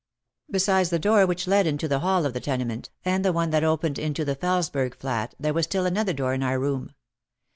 Besides the door which led into the hall of the tene ment and the one that opened into the Felesberg flat there was still another door in our room.